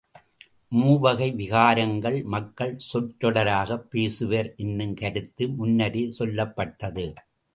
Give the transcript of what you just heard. மூவகை விகாரங்கள் மக்கள் சொற்றொடராகப் பேசுவர் என்னும் கருத்து முன்னரே சொல்லப்பட்டது.